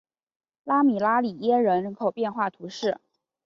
拉米拉里耶人口变化图示